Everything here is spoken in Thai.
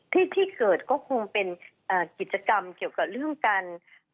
ที่ที่เกิดก็คงเป็นกิจกรรมเกี่ยวกับเรื่องการ